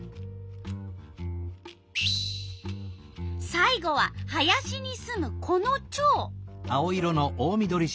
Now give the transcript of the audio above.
さい後は林にすむこのチョウ。